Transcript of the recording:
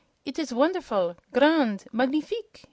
"Eet is wonderful grand magnifique!"